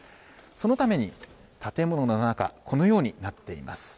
そのために、建物の中、このようになっています。